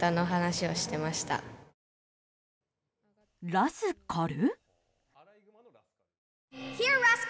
ラスカル？